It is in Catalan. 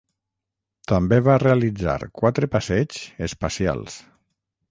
També va realitzar quatre passeigs espacials.